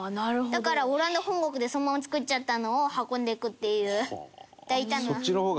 だからオランダ本国でそのまま造っちゃったのを運んでいくっていう大胆な。